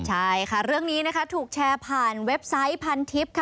ใช่ค่ะเรื่องนี้นะคะถูกแชร์ผ่านเว็บไซต์พันทิพย์ค่ะ